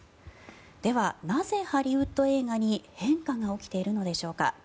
ではなぜハリウッド映画に変化が起きているのでしょうか。